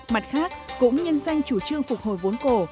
mặt khác cũng nhân danh chủ trương phục hồi vốn cổ